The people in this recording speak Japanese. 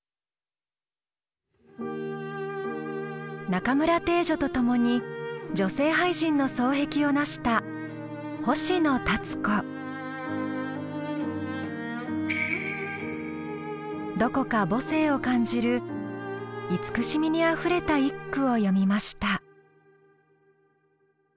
中村汀女と共に女性俳人の双璧をなしたどこか母性を感じる慈しみにあふれた一句を詠みました。